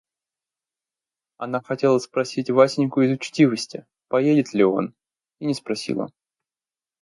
Она хотела спросить Васеньку из учтивости, поедет ли он, и не спросила.